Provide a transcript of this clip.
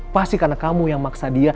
pasti karena kamu yang maksa dia